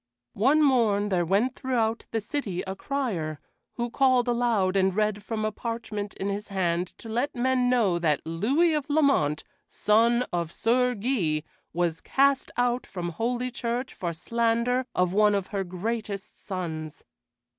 One morn there went throughout the city a crier, who called aloud and read from a parchment in his hand to let men know that Louis of Lamont, son of Sir Guy, was cast out from Holy Church for slander of one of her greatest sons.